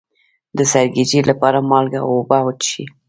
د سرګیچي لپاره مالګه او اوبه وڅښئ